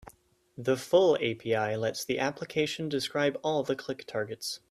The full API lets the application describe all the click targets.